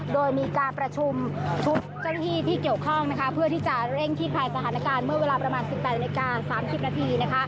โดยมีการประชุมชุดเจ้าหน้าที่ที่เกี่ยวข้องเพื่อที่จะเร่งคลี่คลายสถานการณ์เมื่อเวลาประมาณ๑๘นาฬิกา๓๐นาที